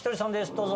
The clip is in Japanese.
どうぞ。